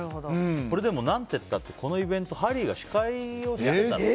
それでも何て言ったってこのイベントハリーが司会をしていたって。